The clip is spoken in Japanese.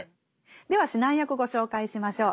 では指南役ご紹介しましょう。